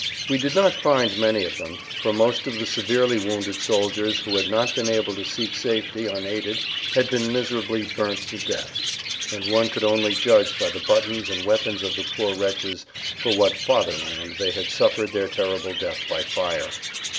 We did not find many of them, for most of the severely wounded soldiers who had not been able to seek safety unaided had been miserably burnt to death, and one could only judge by the buttons and weapons of the poor wretches for what "fatherland" they had suffered their terrible death by fire.